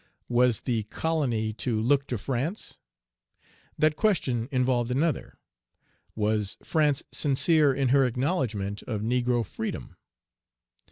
Was the colony to look to France? That question involved another: was France sincere in her acknowledgment of negro freedom?